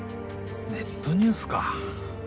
ネットニュースか。